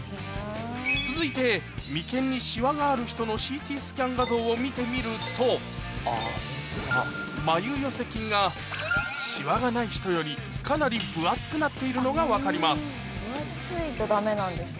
続いて眉間にシワがある人のＣＴスキャン画像を見てみるとまゆ寄せ筋がシワがない人よりかなり分厚くなっているのが分かります分厚いとダメなんですね。